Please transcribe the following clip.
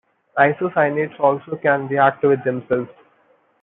Isocyanates also can react with themselves.